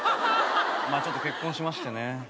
まあちょっと結婚しましてね。